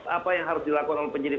apa yang harus dilakukan oleh penyidik